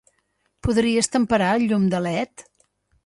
Podries temperar el llum de led?